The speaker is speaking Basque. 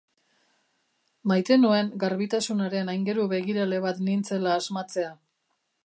Maite nuen garbitasunaren aingeru begirale bat nintzela asmatzea.